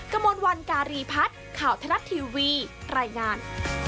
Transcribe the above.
กระมวลวันการีพัฒน์ข่าวทรัฐทีวีรายงาน